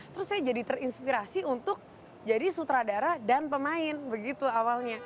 terus saya jadi terinspirasi untuk jadi sutradara dan pemain begitu awalnya